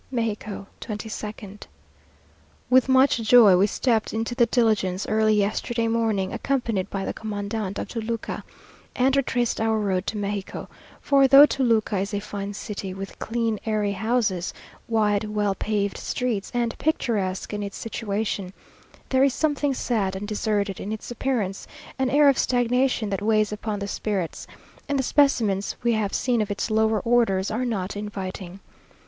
MEXICO, 22nd. With much joy we stepped into the diligence early yesterday morning, accompanied by the commandant of Toluca, and retraced our road to Mexico; for though Toluca is a fine city, with clean, airy houses, wide, well paved streets, and picturesque in its situation, there is something sad and deserted in its appearance, an air of stagnation that weighs upon the spirits; and the specimens we have seen of its lower orders are not inviting.